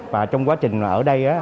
và trong quá trình ở đây